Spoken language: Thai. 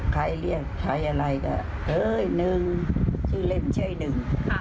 ใครเรียกใครอะไรก็เอ้ยหนึ่งชื่อเล่นชื่อหนึ่ง